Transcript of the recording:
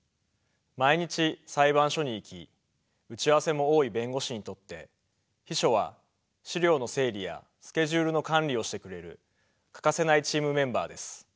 毎日裁判所に行き打ち合わせも多い弁護士にとって秘書は資料の整理やスケジュールの管理をしてくれる欠かせないチームメンバーです。